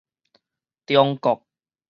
中國